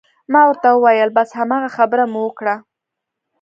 ما ورته وویل: بس هماغه خبره مو وکړه.